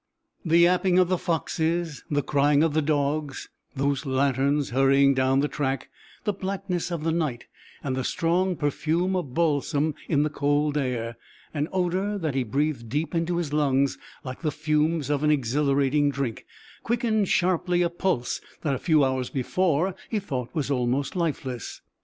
The yapping of the foxes, the crying of the dogs, those lanterns hurrying down the track, the blackness of the night, and the strong perfume of balsam in the cold air an odour that he breathed deep into his lungs like the fumes of an exhilarating drink quickened sharply a pulse that a few hours before he thought was almost lifeless.